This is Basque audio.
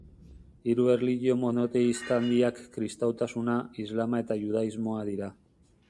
Hiru erlijio monoteista handiak kristautasuna, islama eta judaismoa dira.